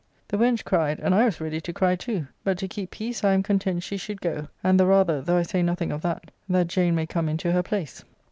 The wench cried, and I was ready to cry too, but to keep peace I am content she should go, and the rather, though I say nothing of that, that Jane may come into her place.